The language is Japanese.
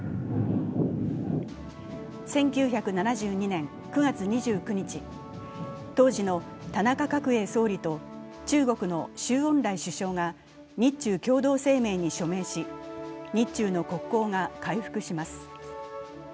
１９７２年９月２９日、当時の田中角栄総理と中国の周恩来首相が日中共同声明に署名し、日中の国交が回復します。